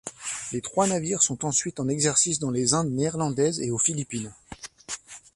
Les trois navires sont ensuite en exercice dans les Indes néerlandaises et aux Philippines.